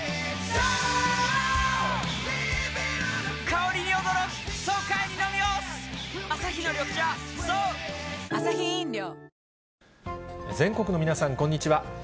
「颯」全国の皆さん、こんにちは。